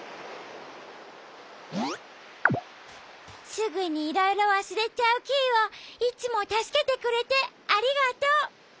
すぐにいろいろわすれちゃうキイをいつもたすけてくれてありがとう。